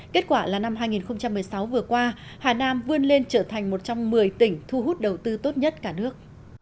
kết quả là năm hai nghìn một mươi sáu vừa qua hà nam vươn lên trở thành một trong một mươi tỉnh thu hút đầu tư tốt nhất cả nước